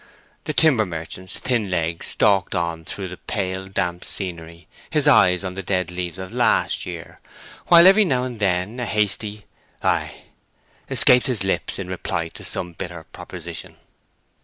The timber merchant's thin legs stalked on through the pale, damp scenery, his eyes on the dead leaves of last year; while every now and then a hasty "Ay?" escaped his lips in reply to some bitter proposition.